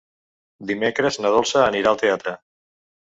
Dimecres na Dolça anirà al teatre.